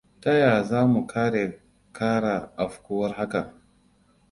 Ta ya za mu kare kara afkuwar haka?